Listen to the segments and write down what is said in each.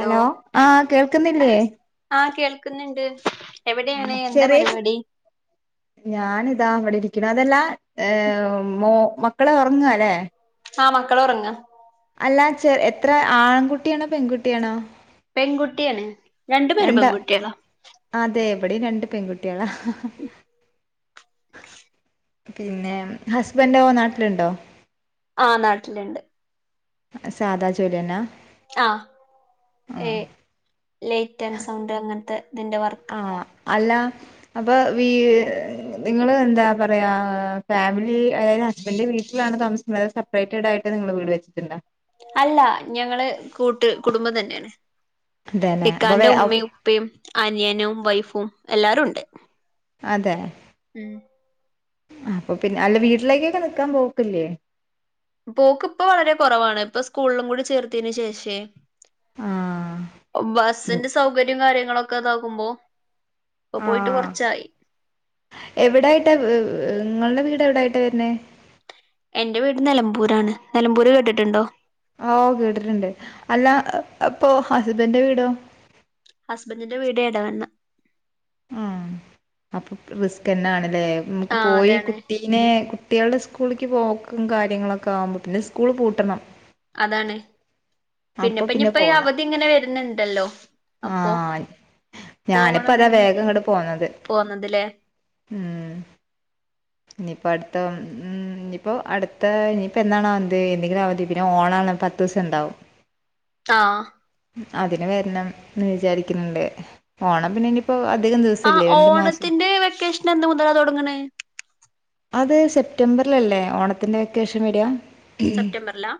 Hello ആഹ കേൾക്കുന്നില്ലേ ആഹ കേൾക്കുന്നുണ്ട് എവിടെയാണ് ആഹ് എന്താ ചെറിയ കു പരിപാടി ഞാനിതാ അവിടെ ഇരിക്കണം അതല്ല ഏർ മോ മക്കളെ ഉറങ്ങഅല്ലേ ആഹ മക്കള്‌ ഉറങ്ങാ അല്ല ചെ എത്ര ആൺകുട്ടിയാണോ പെൺകുട്ടിയാണോ പെൺകുട്ടിയാണ് രണ്ടു പേരും രണ്ട് പെൺകുട്ടിയള അതെ ഇവിടെ രണ്ട് പെൺകുട്ടികളാ പിന്നെ ഹസ്ബൻഡ നാട്ടിലു ആഹ നാട്ടിലുണ്ട് സാദാ ജോലിയന്നാ ആഹ ഏഹ ലൈറ്റ് ആൻഡ് സൗണ്ട് അങ്ങനത്തെ ഇതിന്റെ വർക്ക് ആഹ അല്ല അപ്പൊ വീ നിങ്ങള് എന്താ പറയാ ഫാമിലി അയി ഹസ്ബെന്റിന്റെ വീട്ടിലാണ് താമസിക്കുന്നത് അതൊ സെപ്പറേറ്റഡ് ആയിട്ട് നിങ്ങൾ വീട് വെച്ചിട്ടുണ്ടോ അല്ല ഞങ്ങള് കൂട്ട് കുടുംബം തന്നെയാണ് അതേല്ലേ അപ്പൊ ഇക്കാന്റെ വേ ഉമ്മയും പ്പയും അനിയനും വൈഫും എല്ലാരു ഉണ്ട് അതെ ഉം അപ്പൊ പിന്നെ അല്ല വീട്ടിലേക്കൊക്കെ നിക്കാൻ പോക്കില്ലേ പോക്ക് ഇപ്പൊ വളരെ കുറവാണ് ഇപ്പൊ സ്കൂളിലും കൂടി ചേർത്തന് ശേഷേ ആഹ് ഉം ബസിന്റെ സൗകര്യം കാര്യങ്ങളൊക്കെ ഇതാക്കുമ്പോ ആഹ എവിടായിട്ടാ നിങ്ങളുടെ വീട് എവിടായിട്ടാ വരുന്നേ എന്റെ വീട് നിലമ്പൂരാണ് നിലമ്പൂര് കേട്ടിട്ടുണ്ടോ ഓഹ് കേട്ടിട്ടുണ്ട് അല്ല ഇപ്പൊ ഹസ്ബൻന്റെ വീടോ ഹസ്ബൻഡിന്റെ വീട് എടവണ്ണ ആഹ് അപ്പൊ റിസ്ക്ന്നണല്ലേ നുമുക്ക് ആഹ് പോയി അതാണ് കുട്ടി പിന്നെ കുട്ടികള്ടെ സ്കൂളിക്ക് പോക്കും കാര്യങ്ങളൊക്കവുമ്പോ പിന്നെ സ്കൂൾ പൂട്ടണം അതാണ് അപ്പൊ പിന്നെപ്പോ പിന്നെ ഇനിപ്പ പോകണം അവധി ഇങ്ങനെ വരുന്നുണ്ടല്ലോ അപ്പൊ ആഹ് ഞാനിപ്പോ പോവണംന്ന് അതാ ഇങ്ങനെ വിചാ വേഗം ഇങ്ങട് പോന്നത് പോന്നതില്ലേ ഉം ഇനിയിപ്പോ അടുത്ത ഉം ഇനിയിപ്പോ അടുത്ത ഇനിയിപ്പോ എന്താവുന്നത് എന്തെങ്കിലും അവധി പിന്നെ ഓണാണ് ത്ത്സ്ണ്ടാവും ആഹ് അതിന് വരണം ന്ന് വിചാരികണണ്ട് ഓണം പിന്നെ ഇ പ്പം അതിക ദിവസം ആഹ് ഓണത്തിന്റെ വെക്കേഷൻ എന്ന് മുതലാ തൊടങ്ങണേ അത് സെപ്റ്റംബറിലല്ലേ ഓണത്തിന്റെ വെക്കേഷൻ വരാ സെപ്റ്റംബറിലാ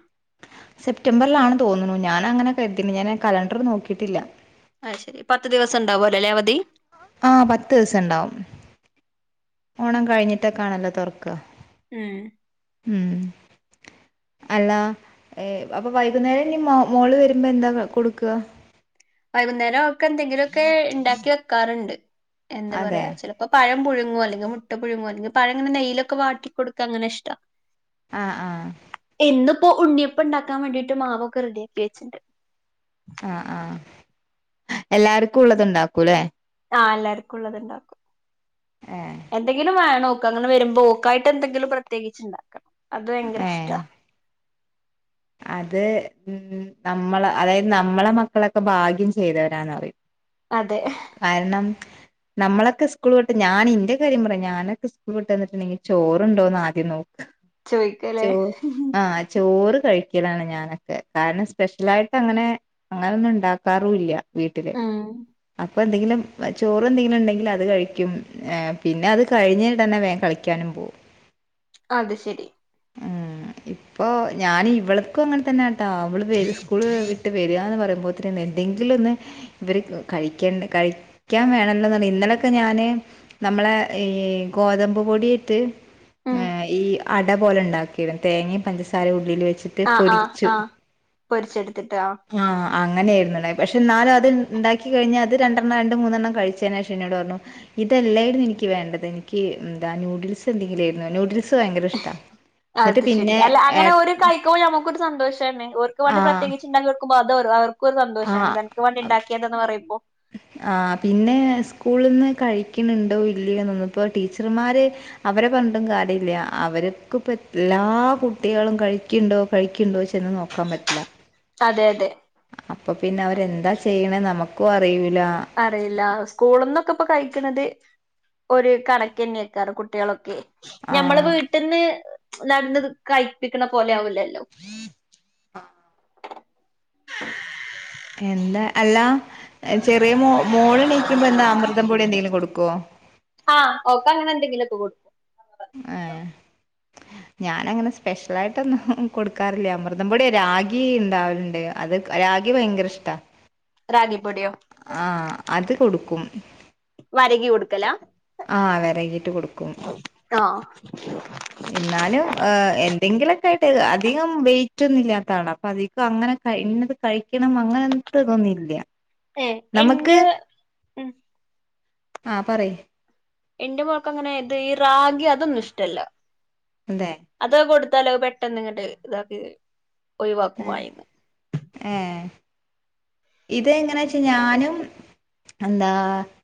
സെപ്റ്റംബറിലാണ് തോന്നുണു ഞാനങ്ങനെ കരുത് ന് ഞാന കലണ്ടർ നോക്കിയിട്ടില്ല അഹ് ശരി പത്ത് ദിവസം ഇണ്ടാവുല്ലോ അവധി ആഹ് പത്ത് ദിവസൊണ്ടാവും ഓണം കഴിഞ്ഞിട്ടൊക്കെ ആണല്ലോ തൊറക്ക ഉം ഉം അല്ല അപ്പൊ വൈകുന്നേരം ഇനി മോള് വരുമ്പോൾ എന്താ കൊടുക്കുക വൈകുന്നേരവക്ക് എന്തെങ്കിലോക്കെ ഇണ്ടാക്കി വെക്കാറുണ്ട് എന്താ അതെ പറയാ ചിലപ്പ പ്പ പഴം പുഴുങ്ങുവല്ലങ്കി മുട്ട പുഴുങ്ങല്ലങ്കി പഴങ്ങന നെയിലോക്ക വാട്ടി കൊടുക്ക അങ്ങനെഷ്ട ആഹ് ആഹ് ഇന്നിപ്പോ ഉണ്ണിയപ്പണ്ടാക്കാൻ വേണ്ടിട്ട് മാവൊക്ക റെഡിയാക്കി വെച്ചിണ്ട് ആഹ് ആഹ് എല്ലാർക്കുള്ളത് ഇണ്ടാക്കൂല്ലേ ആഹ് എല്ലാവർക്കുള്ളത് ഉണ്ടാക്കും ആഹ് എന്തെങ്കിലും വേണോക്ക് അങ്ങനെ വരുമ്പോക്കായിട്ട്ന്തെങ്കിലും പ്രത്യേകിച്ച് ഇണ്ടാക്കണം അത് ഭയങ്കര ഇഷ്ട അതെ ഉം നമ്മള അതായത് നമ്മള മക്കളക്ക ഭാഗ്യം ചെയ്തവരാന്ന് പറ അതെ കാരണം നമ്മളക്ക സ്കൂൾ വിട്ട് ഞനിന്റെ കാര്യം പറയാ ഞാനൊക്ക സ്കൂൾ വിട്ട്ന്ന്ട്ടെണ്ടങ്കി ചോറുണ്ടോന്നാദ്യം നോ ചോയിക്കല്ലേ ചോ ആഹ് ചോറ് കഴി ക്കലാണ് ഞാനക്കെ കാരണം സ്പെഷ്യലായിട്ട് അങ്ങനെ അങ്ങനൊന്നുണ്ടാക്കാറുല്ല്യ വീട്ടില് ഉം അപ്പൊ എന്തെങ്കിലും ചോറെന്തെങ്കിലുണ്ടെങ്കിൽ അത് കഴിക്കും ഏഹ് പിന്നെ അത് കഴിഞ്ഞിട്ടന്നെ വേം കളിക്കാനും പോവും അത് ശെരി ഉം ഇപ്പൊ ഞാനി ഇവ്ള് ക്കും അങ്ങൻ തന്നെട്ടാ അവള് വെരി സ്കൂള് വിട്ട് വരാന്ന് പറയുമ്പോത്തന് എന്തെങ്കിലെന്ന് ഇവര് കഴിക്കേണ്ട കഴിക്കാൻ വേണല്ലോന്ന് ഇന്നലോക്കെ ഞാന് നമ്മളെ ഈ ഗോതമ്പ് പൊടി ഇട്ട് ഉം ഏഹ് ഈ അട പോലെ ഇണ്ടാക്കിത് തേങ്ങയും പഞ്ചസാരയും ഉള്ളിൽ വെച്ചി ആഹ് ആഹ് ആഹ് പൊരിച്ചെടുത്തിട്ട് ആഹ് അങ്ങനെയിരുന്ലെ പക്ഷേ എന്നാലും അത് ഇണ്ടാക്കി കഴിഞ്ഞ അത് രണ്ടെണ്ണം രണ്ട് മൂന്നെണ്ണം കഴിച്ചേന് ശേഷം ഇന്നോട് പറഞ്ഞു ഇതെല്ലായിരുന് എനിക്ക് വേണ്ടത് എനിക്ക് എന്താ നൂഡിൽസ് എന്തെങ്കിലെയിരുന്നു നൂഡിൽ സ് ഭയങ്കര ഇഷ്ട എന്നിട്ട് പിന്നെ എ ഓൽക്കെ നമുക്കൊരു സന്തോഷാണ് ഒർക്ക് വേണ്ടി പ്രത്യേകിച്ചുണ്ടാക്കി കൊടുക്കുമ്പെ അതവർ അവർ ഇൻക്കൊരു സന്തോഷാണ് ആഹ് ഇത് അനക്ക് വാണ്ടി ഇണ്ടാക്കിയതെന്ന് പറയുമ്പോ ആഹ് പിന്നെ സ്കൂള്ന്ന് കഴിക്ക്ണുണ്ടോ ഇല്ലയോ എന്നൊന്നിപ്പോ ടീച്ചർമാര് അവരെ പറഞ്ഞിട്ടും കാര്യല്ല അവർക്ക് ഇപ്പോ എല്ലാ കുട്ടികളും കഴി ക്ക്ണ്ടോ കഴിക്ക്ണ്ടോ ചെന്ന് നോക്കാൻ പറ്റില്ല അതെ അതെ അപ്പൊ പിന്നെ അവരെന്താ ചെയ്യണെ നമക്കും അറിയൂല അറിയില്ല സ്കൂളിന്നൊക്കെ ഇപ്പോ കഴിക്കുന്നത് ഒരു കണക്ക് തന്നെയ്ക്കാരം കുട്ടികളൊക്കെ ഞമ്മള് ആഹ് വീട്ടിന്ന് നടന്ന് കഴിപ്പിക്ക്ണ പോലെ ആവുല്ലല്ലോ ആഹ് എന്താ അല്ല ചെറിയ മോ മോള് എണിക്കുമ്പോ എന്താ അമൃതം പൊടി എന്തെങ്കിലും കൊടുക്കോ ആഹ് ഓക്ക് അങ്ങനെന്തെങ്കിലോക്കെ കൊടുക്കും ഏഹ് ഞാന് അങ്ങനെ സ്പെഷ്യലായിട്ടൊന്നും കൊടുക്കാറില്ല അമൃതം പൊടി രാഗി ഇണ്ടാവലുണ്ട് അത് രാഗി ഭയങ്കര ഇഷ്ടാ രാഗിപൊടിയോ ആഹ് അത് കൊടുക്കും വരകി കൊടുക്കലാ ആഹ് വരകിട്ട് കൊടുക്കും ആഹ് ഇന്നാലും ഏഹ് എന്തെങ്കിലൊക്കെ ആയിട്ട് അധികം വെയിറ്റ് ഒന്നും ഇല്ലാത്ത ആളാ അപ്പൊ അതി ക്ക് അങ്ങനെ കഴി ഇന്നത് കഴിക്കണം അങ്ങനെത്തെ ഇതൊന്നും ഇല്ല നമുക്ക് ഏഹ്എന്റെ ഉം ആ പറയ് എന്റെ മോൾക്ക് അങ്ങനെ ഇത് ഈ റാഗി അതൊന്നും ഇഷ്ടല്ല അതെ അതൊക്കെ കൊടുത്താലോ പെട്ടെന്ന് ഇങ്ങട്ട് ഇതാക്ക് ഒഴിവാക്കും ഏഹ് വായെന്ന് ഏഹ് ഇത് എങ്ങനെ വെച്ച ഞാനും എന്താ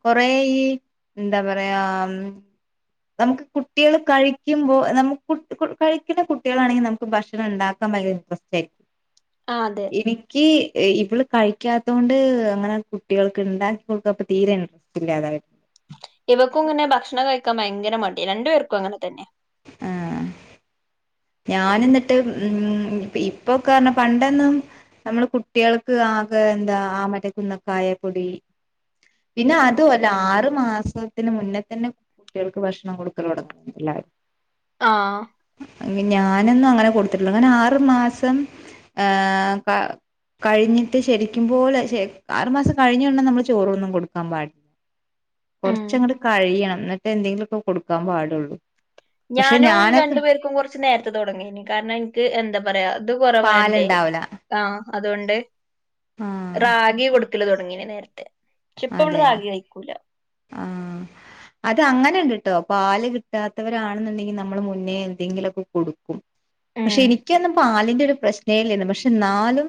കൊറേ ഈ എന്താ പറയാ നമുക്ക് കുട്ടികൾ കഴിക്കുമ്പോ നമുക്ക് കു കു കഴിക്കുന്ന കുട്ടികളാണെങ്കി നമുക്ക് ഭക്ഷണം ഇണ്ടാക്കാൻ ഭയ [unintelligible] ആഹ് അതെ എനി ഇക്ക് ഈ ഇവള് കഴിക്കാത്തോണ്ട് അങ്ങനെ കുട്ടികൾക്ക് ഇണ്ടാക്കി കൊടുക്കാൻ പ്പം തീരെ ഇൻട്രസ്റ്റ് ഇല്ലാതായി ഇവക്കും ഇങ്ങനെ ഭക്ഷണം കഴിക്കാൻ ഭയങ്കര മടിയാ രണ്ടു പേർക്കും അങ്ങനെ തന്നെ. ആഹ്. ഞാന് ഇന്നട്ട് ഉം ഇപ്പോക്കെ പറഞ്ഞാ പണ്ടൊന്നും നമ്മള് കുട്ട്യേൾക്ക് ആകെ എന്താ ആ മറ്റെ കുന്നക്കായ പൊടി. പിന്നെ അതുവല്ല ആറു മാസത്തിന് മുന്നേ തന്നെ കുട്ട്യേൾക്ക് ഭക്ഷണം കൊടുക്കല് തൊടങ്ങും എല്ലാരും. ആഹ്. ഞാനൊന്നും അങ്ങനെ കൊടുത്തിട്ടില്ല അങ്ങനെ ആറു മാസം ഏഹ് കാ കഴിഞ്ഞിട്ട് ശരിക്കും പോലെ ആറ് മാസം കഴിഞ്ഞ് ഉടനെ നമ്മള് ചോറൊന്നും കൊട് ടുക്കാൻ പാടി. [inaudible] ഉം കൊറച്ചങ്ങട്ട് കഴിയണം എന്നിട്ട് എന്തെങ്കിലൊക്കെ കൊടുക്കാൻ പാടൊള്ളൂ. ഞാനും രണ്ടു പേർക്കും കൊറച്ച് നേരത്തെ തൊടങ്ങീനി. കാരണം ഇൻ ക്ക് എന്താ പറയാ ഇത് കുറവായോണ്ടടേ പാലുണ്ടാവൂല ആഹ് അതുകൊണ്ട്. ആഹ് റാഗി കൊടുക്കല് തൊടങ്ങീനി നേരത്തെ. പക്ഷെ ഇപ്പ ഇവള് അതെ റാഗി കഴിക്കൂല ആഹ്. അത് അങ്ങനെണ്ട് ട്ടോ. പാല് കിട്ടാത്തവരാണ്ന്ന്ണ്ടെങ്കി നമ്മൾ മുന്നേ എന്തെങ്കിലൊക്കെ കൊടു ക്കും. പക്ഷെ ഉം എനിക്കൊന്നും പാലിന്റെ ഒരു പ്രശ്നേ ഇല്ലേന്നു പക്ഷെ ഇന്നാലും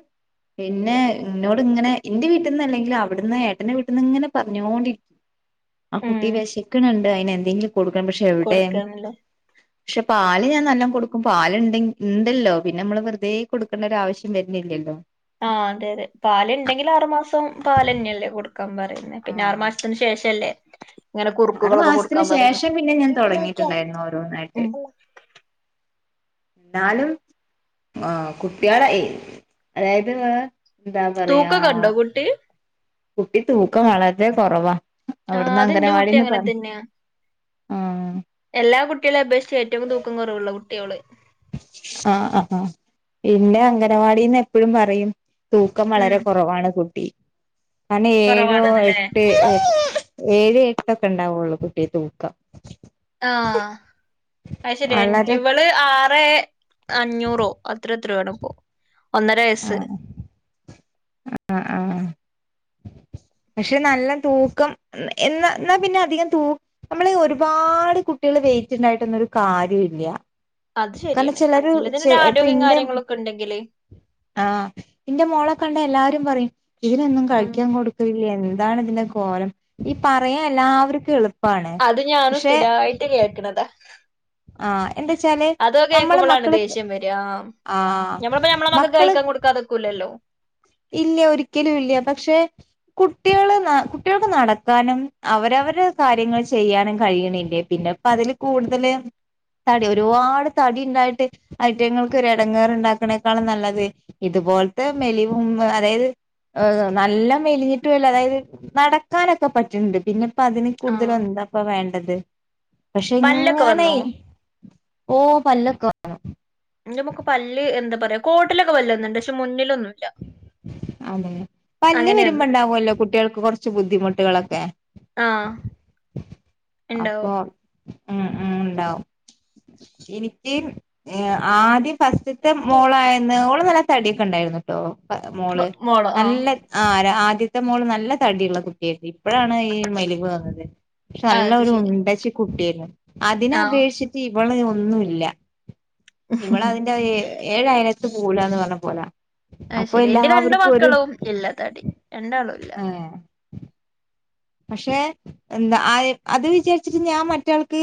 പിന്നെ ഇന്നോട് ഇങ്ങനെ ഇന്റെ വീട്ടിന്ന് അല്ലെങ്കിലും അവിടുന്ന് ഏട്ടന്റെ വീ ട്ട്ന്ന് ഇങ്ങനെ പറഞ്ഞോണ്ടി ആ ഉം കുട്ടി വെശക്ക്ണ് ണ്ട് അയിന് എന്തെങ്കിലും കൊടുക്കണം പക്ഷെ എവിടെ കൊടുക്കാന്നില്ല [inaudible] ക്ഷെ പാല് ഞാൻ നല്ലോം കൊടുക്കും പാലിണ്ടെങ് ഇണ്ടല്ലോ പിന്നെ നമ്മള് വെറുതെ കൊടുക്കണ്ട ഒരാവശ്യം വര്നില്ലല്ലോ. ആഹ് അതെ അതെ. പാല് ഇണ്ടെങ്കി ആറുമാസം പാലെന്ന്യല്ലേ കൊടുക്കാൻ പറയാ. ഇന്നാ പിന്നെ ആറു ആഹ് മാസത്തിന് ശേഷല്ലേ ഇങ്ങനെ ആറ് കുറുക്കുകളൊക്കെ മാസത്തിന് കൊടുക്കാൻ പറയൊള്ളു ശേഷം പിന്നെ ഞാൻ തുടങ്ങിയിട്ടുണ്ടായിരുന്നു ഓരോന്നായിട്ട് ഉം. ന്നാലും ആഹ് കുട്ട്യാളെ ഇ അതായത് എന്താ പറയാ തൂക്കൊക്കെ ഉണ്ടോ കുട്ടി കുട്ടി തൂക്കം വളരെ കൊറവാ ആഹ് അവിടന്ന് അതെന്റെ കുട്ടി അംഗനവാടീന്ന് അങ്ങനെ പറ തന്നെയാ എല്ലാ കുട്ട്യേളിം അപേക്ഷിച്ച് ഏറ്റവും തൂക്കം കൊറവുള്ള കുട്ട്യാ ഓള്. ആഹ് ആഹ്. പിന്നെ അംഗനവാടീന്ന് എപ്പഴും പറയും. തൂക്കം വളരെ ഉം കൊറവാണ് കുട്ടി കാരണം ഏഴോ കുറവാണെന്നല്ലേ എട്ട് ഏഴ് എട്ടൊക്കെ ഇണ്ടാവൊള്ളൂ കുട്ടി തൂക്കം. ആഹ്. അയ്ശരിയാ വളരെ ഇവള് ആറെ അഞ്ഞൂറോ അത്രെ എത്രോ ആണ്പ്പോ ഒന്നര വയസ്സ്. [inaudible] ആഹ് ആഹ് [inaudible] പക്ഷെ നല്ലം തൂക്കം എന്ന എന്നാ പിന്നെ അധികം തൂ നമ്മള് ഒരുപാട് കുട്ട്യേള് വെയിറ്റ് ഇണ്ടായിട്ടൊന്നും ഒരു കാര്യൂല്ല. അത് കാരണം ശരിയാണ് ചെലര് എല്ലത്തിനും ചെ ഒരു ഇപ്പൊ ആരോഗ്യം ഇന്റെ കാര്യങ്ങളൊക്കെ ഉണ്ടെങ്കില് ആഹ് ഇന്റെ മോളെ കണ്ടാ എല്ലാരും പറയും ഇതിനൊന്നും ഉം കഴിക്കാൻ കൊടുക്കലില്ലേ എന് താണ് ഇതിന്റെ കോലം ഈ പറയാ എല്ലാവർക്കും എള് അത് ഞാനും സ്ഥിരായിട്ട് കേക്ക്ണതാ. ആഹ് എന്താച്ചാല് അതൊക്കെ നമ്മളെ കേക്കുമ്പളാണ് മക്കള് ദേഷ്യം വെരാ. ആഹ് ഞമ്മളിപ്പോ ഞമ്മളെ മക്കക്ക് കഴിക്കാൻ കൊടുക്കാതെ നിക്കൂലല്ലോ. ഇല്യ ഒരിക്കലൂല്ല പക്ഷെ കുട്ടികള് ന കുട്ടികൾക്ക് നടക്കാനും അവരവരെ കാര്യങ്ങൾ ചെയ്യാനും കഴിയിണില്ലേ പിന്നെ അതില് കൂടുതല് തടി ഒരുവാട് തടി ഉണ്ടായിട്ട് അയ്റ്റങ്ങൾക്കൊരു എടങ്ങേറ് ഉണ്ടാക്കണേക്കാളും നല്ലത് ഇതുപോലത്തെ മെലിവും അതായത് ഏഹ് നല്ല മെലിഞ്ഞിട്ടോല്ല അതായത് നടക്കാനൊക്കെ പറ്റിണ്ട് പിന്നെ ഇപ്പ അതിന് ആഹ് കൂടുതലെന്താപ്പ വേണ്ടത് പക്ഷെ പല്ലൊക്കെ ഇങ്ങനെ വന്നോ ഓഹ് പല്ലൊക്കെവന്നു ഇന്റെ മോക്ക് പല്ല് എന്താ പറയാ കോട്ടിലൊക്കെ പല്ല് വന്നിണ്ട് പക്ഷെ മുന്നിലൊന്നു അതെ പല്ല് അങ്ങനെ വന്നത് വരുമ്പണ്ടാവോല്ലോ കുട്ടികൾക്ക് കൊറച്ച് ബുദ്ധിമുട്ടുകളൊക്കെ ആഹ് അപ്പോ ഇണ്ടാവും ഉം ഉം ഇണ്ടാവും ഇനിക്ക് ഏഹ് ആദ്യം ഫസ്റ്റ്ത്തെ മോളായന്ന് ഓള് നല്ല തടിയൊക്കെ ഇണ്ടായിരുന്നുട്ടോ മോള് മോളോ ആഹ് നല്ല ആഹ് ര ആദ്യത്തെ മോള് നല്ല തടിള്ള കു ട്ടിയാര്ന്ന് ഇപ്പഴാണ് ഈ മെലിവ് വന്നത് പക്ഷെ നല്ല അത് ഒരു ശരി ഉണ്ടച്ചി കുട്ടിയാരുന്നു ആഹ് അതിനപേക്ഷിച്ചിട്ട് ഇവള് ഒന്നുല്ല ഇവള് അയ്ന്റെ ഏ ഏഴയലത്ത് പോവൂലാന്ന് പറഞ്ഞ പോലാ അഹ് അപ്പൊ ശരി ന്റെ രണ്ടു എല്ലാവർക്കും ഒരു മക്കളും ഇല്ലാ തടി രണ്ടാളൂല്ല ഏഹ് പക്ഷെ എന്താ അഹ് അത് വിചാരിച്ചിട്ട് ഞാൻ മറ്റാൾക്ക്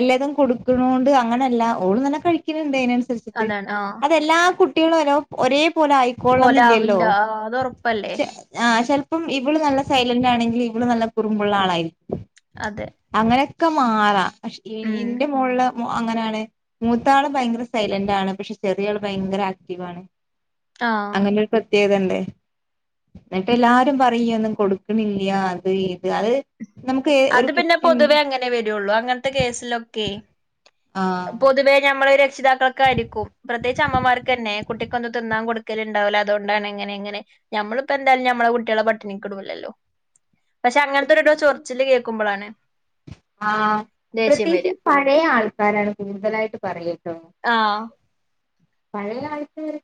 എല്ലാതും കൊടുക്കുണോണ്ട് അങ്ങനെല്ല ഓള് നല്ല കഴിക്ക്‌ണ് ണ്ട് അയ്നനുസരിച്ച് ച്ചിട്ട് അതാണ് ആഹ് അയ്ന് എല്ലാ കുട്ടികളും ഒരോ ഒരേ പോലെ ആയി ക്കോളണം ന്നില്ലല്ലോ പോലാവില്ല ആഹ് അത് ഉറപ്പല്ലേ [unintelligible] ആഹ് ചെലപ്പം ഇവള് നല്ല സൈലന്റ് ആണെങ്കിൽ ഇവള് നല്ല കുറുമ്പുള്ള ആളായിരിക്കും അതെ അങ്ങനൊക്കെ മാറാം പക്ഷെ ഉം ഇന്റെ മോൾല് അങ്ങനാണ് മൂത്ത ആള് ഭയങ്കര സൈലന്റ് ആണ് പക്ഷെ ചെറിയ ആൾ ഭയങ്കര ആക്റ്റീവ് ആണ്. ആഹ് അങ്ങനെ. പ്രത്യേകതണ്ട് എന്നിട്ട് എല്ലാരും പറയും ഇയ്യ് ഒന്നും കൊടുക്കണില്ല അത് ഇത് അത് നമുക്ക് ഒരു അത് പിന്നെ കുട്ടി പൊതുവേ അങ്ങനെ വെരൊള്ളൂ അങ്ങനത്തെ കേസിലൊക്കെയ് ആ പൊതുവേ നമ്മള് രക്ഷിതാക്കൾ ക്കായിരിക്കും പ്രത്യേകിച്ച് അമ്മമാർക്ക് തന്നെ കുട്ടിക്കൊന്നും തിന്നാൻ കൊടുക്കലുണ്ടാവില്ല അതുകൊണ്ടാണ് ഇങ്ങനെ എങ്ങനെ. ഞമ്മളിപ്പോ എന്തായാലും ഞമ്മളെ കുട്ടികളെ പട്ടിണിക്കിടൂലല്ലോ. പക്ഷെ അങ്ങനത്തെരുടെ ചൊറിച്ചില് കേൾക്കുമ്പളാണ്. ആഹ് ദേഷ്യം വരിക പ്രത്യേകിച്ച് പഴയ ആൾക്കാരാണ് കൂടുതലായിട്ട് പറയട്ടോ ആഹ്. പഴയ ആൾക്കാര്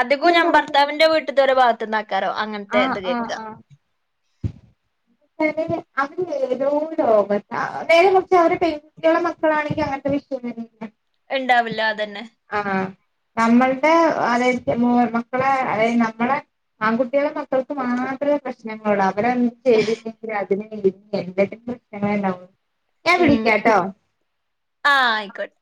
അധികോം ഞാൻ ഭർത്താവിന്റെ വീട്ട്ത്തോരെ ഭാഗത്ത്ന്നാക്കാരം അങ്ങൻ ആഹ് ആഹ് ആഹ്. [unintelligible] അവര് ഏതോ ലോകത്ത നേരെ മറിച്ച് അവരെ [unintelligible] [unintelligible] മക്കളാണെങ്കി അങ്ങനത്തെ വിഷയം വരൂലാ ഇണ്ടാവില്ല അതന്നെ. ആഹ് നമ്മൾടെ അതായത് മോ മക്കളെ അതായത് നമ്മളെ ആൺകു ട്ടികളെ മക്കൾക്ക് മാത്രേ പ്രശ്നങ്ങളുള്ളൂ അവര് ചെയ്തില്ലെങ്കിൽ അ [unintelligible] ഞാൻ ഉം വിളിക്കാട്ടോ. ആഹ് ആയിക്കോട്ടെ.